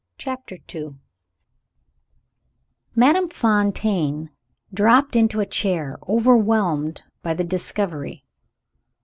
CHAPTER II Madame Fontaine dropped into a chair, overwhelmed by the discovery.